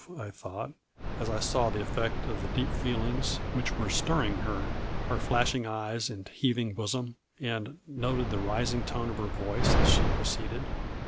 I thought, as I saw the effect of the deep feelings which were stirring her, her flash ing eyes and heaving bosom, and noted the ris ing tone of her voice as she proceeded.